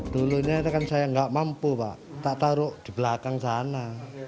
dulunya saya tidak mampu pak tidak taruh di belakang sana